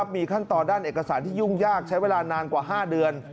มีขั้นตอนด้านเอกสารที่ยุ่งยากใช้เวลานานกว่า๕เดือน